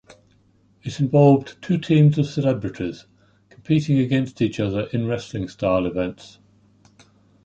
It involved two teams of celebrities, competing against each other in wrestling style events.